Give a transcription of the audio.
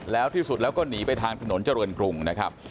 แล้วที่สุดแล้วก็หนีไปทางถนนเจริญกรุงนะครับ